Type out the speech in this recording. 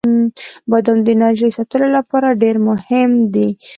• بادام د انرژۍ ساتلو لپاره ډیر مهم دی.